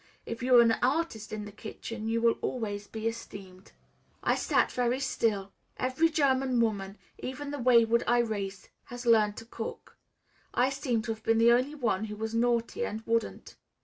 If you are an artist in the kitchen you will always be esteemed." I sat very still. Every German woman, even the wayward Irais, has learned to cook; I seem to have been the only one who was naughty and wouldn't.